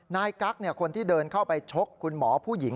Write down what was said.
นายกั๊กคนที่เดินเข้าไปชกคุณหมอผู้หญิง